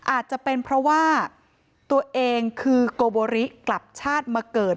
อาจจะเป็นเพราะว่าตัวเองคือโกโบริกลับชาติมาเกิด